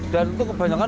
dan itu kebanyakan